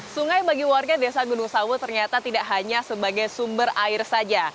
sungai bagi warga desa gunung sawu ternyata tidak hanya sebagai sumber air saja